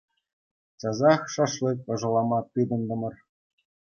Часах шашлык ӑшалама тытӑнтӑмӑр.